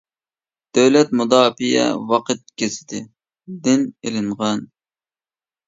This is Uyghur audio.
«دۆلەت مۇداپىئە ۋاقىت گېزىتى» دىن ئېلىنغان.